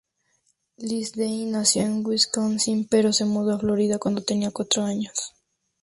Lindsey nació en Wisconsin, pero se mudó a Florida cuando tenía cuatro años.